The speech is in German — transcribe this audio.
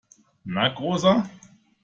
Na, Großer!